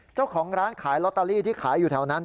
เจ้าของร้านขายลอตเตอรี่ที่ขายอยู่แถวนั้น